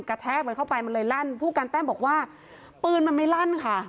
แทกมันเข้าไปมันเลยลั่นผู้การแต้มบอกว่าปืนมันไม่ลั่นค่ะ